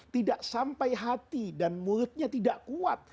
tidak sampai hati dan mulutnya tidak kuat